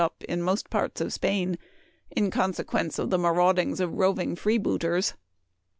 207 up in most parts of Spain in consequence of the maraudings of roving freebooters.